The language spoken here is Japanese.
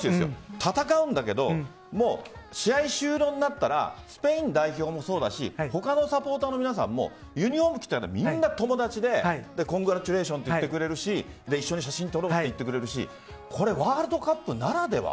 戦うんだけど試合終了になったらスペイン代表もそうだし他のサポーターの皆さんもユニホームを着たらみんな友達でコングラチュレーションと言ってくれるし一緒に写真を撮ろうと言ってくれるしワールドカップならでは。